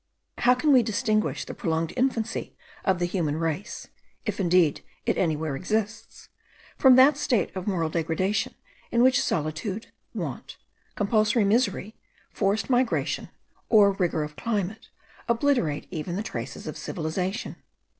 How can we distinguish the prolonged infancy of the human race (if, indeed, it anywhere exists), from that state of moral degradation in which solitude, want, compulsory misery, forced migration, or rigour of climate, obliterate even the traces of civilization?